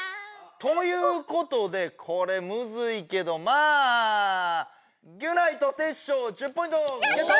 ということでこれむずいけどまあギュナイとテッショウ１０ポイントゲット！